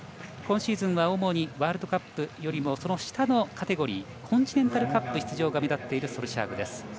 今シーズンは、主にワールドカップよりもコンチネンタルカップの出場が目立っているソルシャーグです。